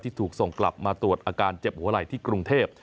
ถูกส่งกลับมาตรวจอาการเจ็บหัวไหล่ที่กรุงเทพ